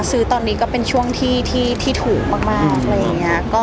ซื้อตอนนี้ก็เป็นช่วงที่ถูกมากอะไรอย่างนี้